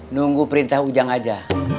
nunggu perintah ujang aja